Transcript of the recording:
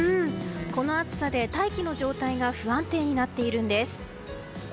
この暑さで大気の状態が不安定になっているんです。